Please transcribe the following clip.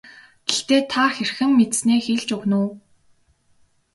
Гэхдээ та хэрхэн мэдсэнээ хэлж өгнө үү.